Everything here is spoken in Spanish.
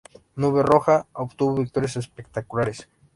Nube Roja obtuvo victorias espectaculares.